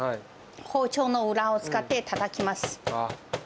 包丁の裏を使ってたたきます。